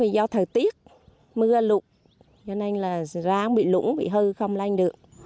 do thời tiết mưa lụt cho nên là rau bị lũ bị hư không lanh được